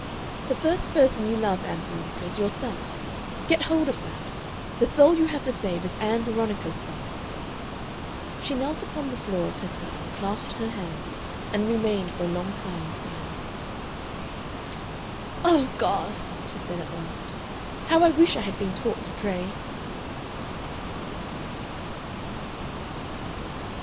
"The first person you love, Ann Veronica, is yourself get hold of that! The soul you have to save is Ann Veronica's soul...." She knelt upon the floor of her cell and clasped her hands, and remained for a long time in silence. "Oh, God!" she said at last, "how I wish I had been taught to pray!"